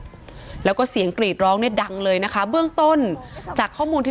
คดีกับคนก่อเหตุแล้วก็เสียงกรีดร้องเนี่ยดังเลยนะคะเบื้องต้นจากข้อมูลที่